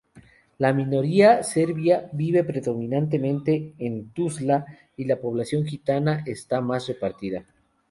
La minoría serbia vive predominantemente en Tuzla y la población gitana está más repartida.